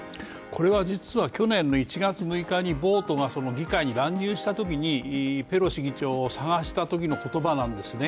これは実は去年の１月６日に暴徒が議会に乱入したときに、ペロシ議長を探したときの言葉なんですね。